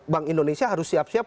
bank indonesia harus siap siap